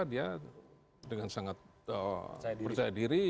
dia dengan sangat percaya diri